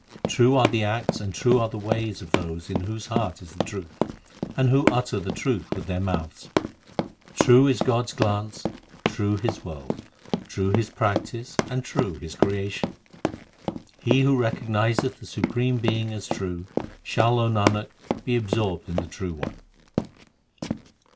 True are the acts and true the ways of those In whose hearts is the truth, and who utter the truth with their mouths. True is God s glance, true His world, True His practice, and true His creation. He who recognizeth the Supreme Being as true, Shall, O Nanak, be absorbed in the True One.